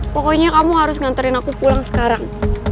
pokoknya kamu harus nganterin aku pulang sekarang